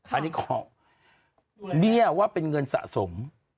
อันนี้ขอเบี้ยว่าเป็นเงินสะสม